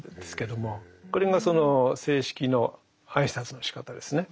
これがその正式の挨拶のしかたですね。